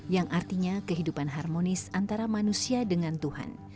yang artinya kehidupan harmonis antara manusia dengan tuhan